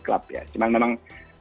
klub ya cuman memang